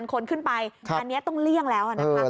คนขึ้นไปอันนี้ต้องเลี่ยงแล้วนะคะ